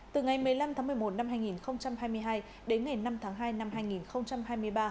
từ ngày một mươi năm tháng một mươi một năm hai nghìn hai mươi hai đến ngày năm tháng hai năm hai nghìn hai mươi ba